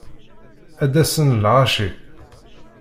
Ad d-asen lɣaci.